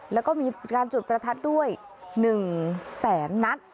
แล้วก็มีการจุดประทัดด้วย๑แสนนัด